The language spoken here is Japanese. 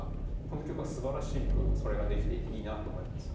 この曲は素晴らしくそれができていていいなと思います。